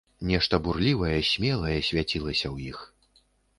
Нешта бурлівае, смелае свяцілася ў іх.